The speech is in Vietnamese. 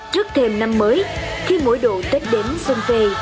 trước thêm năm mới khi mỗi độ tết đến xuân về